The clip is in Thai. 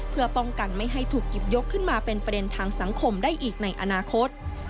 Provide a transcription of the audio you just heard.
เพื่อป้องกันไม่ให้ถูกหยิบยกขึ้นมาเป็นประเด็นทางสังคมได้อีกในอนาคต